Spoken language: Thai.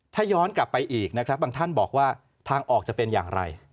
ถ้าย้อนกลับไปอีกนะครับบางท่านบอกว่าทางออกจะเป็นอย่างไร